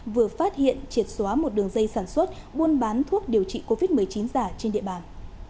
vừa phát hiện triệt xóa một đường dây sản xuất buôn bán thuốc điều trị covid một mươi chín giả trên địa bàn